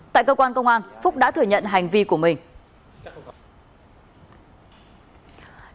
tại cơ quan công an phúc đã thừa nhận hành vi của mình